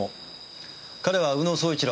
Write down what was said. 彼は宇野宗一郎。